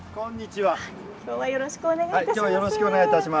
今日はよろしくお願いいたします。